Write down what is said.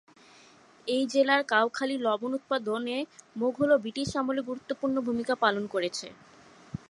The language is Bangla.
এই জেলার কাউখালী লবণ উৎপাদনে মোঘল ও ব্রিটিশ আমলে গুরুত্বপূর্ণ ভূমিকা পালন করেছে।